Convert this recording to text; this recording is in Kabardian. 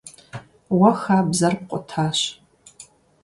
Уэ хабзэр пкъутащ.